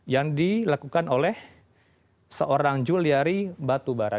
yang dilakukan oleh seorang juliari batubara